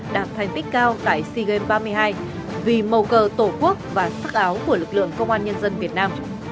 đạt thành tích cao tại sea games ba mươi hai vì màu cờ tổ quốc và sức áo của lực lượng công an nhân dân việt nam